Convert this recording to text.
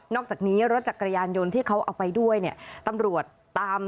นอกจากนี้รถจักรยานยนต์ที่เขาเอาไปด้วยเนี่ย